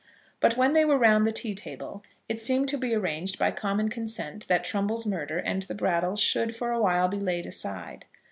But when they were round the tea table it seemed to be arranged by common consent that Trumbull's murder and the Brattles should, for a while, be laid aside.